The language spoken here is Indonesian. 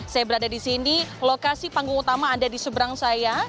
saya berada di sini lokasi panggung utama ada di seberang saya